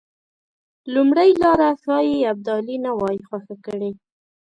لومړۍ لاره ښایي ابدالي نه وای خوښه کړې.